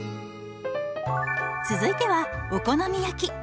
続いてはお好み焼き。